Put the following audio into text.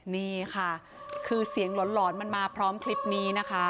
นี่ค่ะคือเสียงหลอนมันมาพร้อมคลิปนี้นะคะ